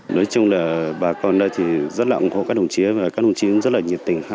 nói chung là bà con đây thì rất là ủng hộ các đồng chí và các đồng chí cũng rất là nhiệt tình